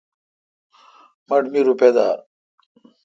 مٹھ می روپہ دار۔